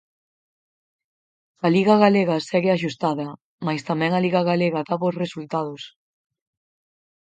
A liga galega segue axustada Mais tamén a liga galega dá bos resultados.